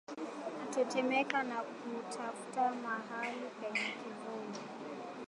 Kutetemeka na kutafuta mahali penye kivuli